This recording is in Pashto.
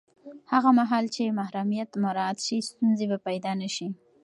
هغه مهال چې محرمیت مراعت شي، ستونزې به پیدا نه شي.